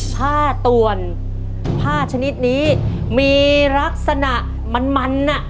ผ้าต่วนผ้าชนิดนี้มีลักษณะมันมันน่ะ